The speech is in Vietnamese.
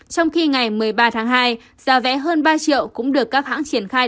trong khi ngày một mươi ba tháng hai giá vé hơn ba triệu cũng được các hãng triển khai